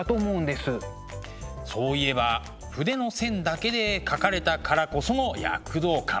そういえば筆の線だけで描かれたからこその躍動感。